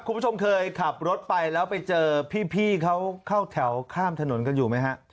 คุณผู้ชมเคยขับรถไปแล้วไปเจอพี่เขาเข้าแถวข้ามถนนกันอยู่ไหมฮะ